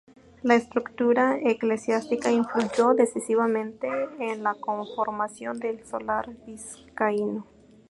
La estructura eclesiástica influyó decisivamente en la conformación del solar vizcaíno.